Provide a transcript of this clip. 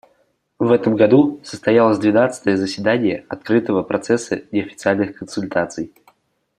В этом году состоялось двенадцатое заседание Открытого процесса неофициальных консультаций.